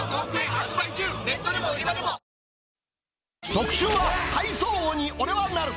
特集は、体操王に俺はなる！